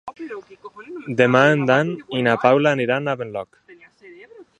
Demà en Dan i na Paula aniran a Benlloc.